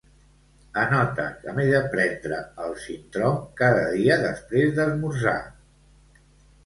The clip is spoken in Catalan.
Anota que m'he de prendre el Sintrom cada dia després d'esmorzar.